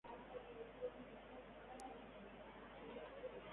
Asiste a la reunión de malvados de Uka-Uka.